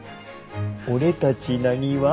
俺たちなにわ。